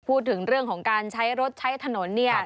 พูดถึงเรื่องของการใช้รถใช้ถนนเนี่ย